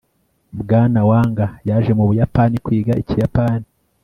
bwana wang yaje mu buyapani kwiga ikiyapani